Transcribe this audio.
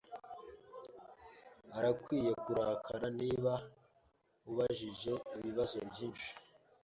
Arakwiye kurakara niba ubajije ibibazo byinshi.